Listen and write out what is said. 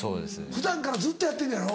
普段からずっとやってんのやろ？